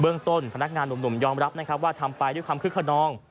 เรื่องต้นพนักงานหนุ่มยอมรับนะครับว่าทำไปด้วยความคึกขนอง